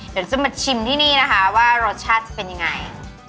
เดี๋ยวจะมาชิมที่นี่นะคะว่ารสชาติจะเป็นยังไง